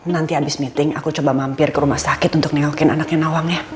nanti abis meeting aku coba mampir ke rumah sakit untuk nengokin anaknya nawangnya